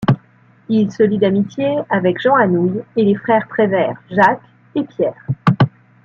Il se lie d'amitié avec Jean Anouilh et les frères Prévert, Jacques et Pierre.